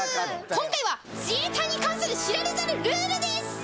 今回は自衛隊に関する知られざるルールです！